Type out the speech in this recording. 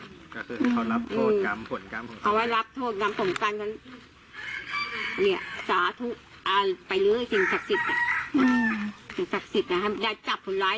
ก็คือเขารับโทษกรรมผลกรรมเขาว่ารับโทษกรรมผลกรรมการนั้นเนี่ย